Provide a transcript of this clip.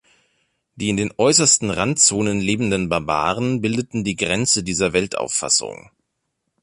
Die in den äußersten Randzonen lebenden Barbaren bildeten die Grenze dieser Weltauffassung.